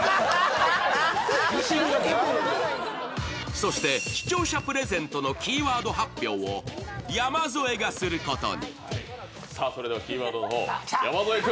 そして視聴者プレゼントのキーワード発表を山添がすることに。